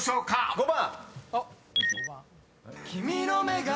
５番。